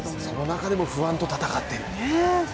その中でも不安と戦っている。